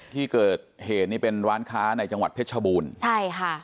ที่เกิดเหตุนี่เป็นร้านค้าในจังหวัดเพชรชบูรณ์ใช่ค่ะ